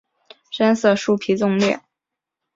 深色树皮纵裂。